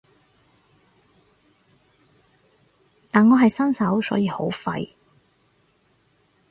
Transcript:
但我係新手所以好廢